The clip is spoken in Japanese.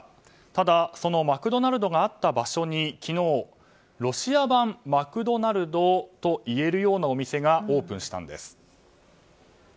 ただ、そのマクドナルドがあった場所に昨日、ロシア版マクドナルドといえるようなお店がオープンしたんです。